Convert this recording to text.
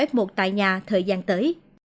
f một tại nhà thời gian tới